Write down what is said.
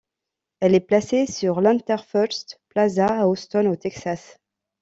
Elle est placée sur l'Interfirst Plaza, à Houston au Texas.